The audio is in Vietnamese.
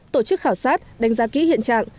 tổ chức khảo sát đánh giá ký hiện trạng